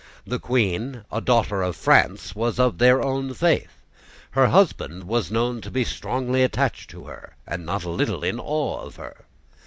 The Queen, a daughter of France, was of their own faith. Her husband was known to be strongly attached to her, and not a little in awe of her.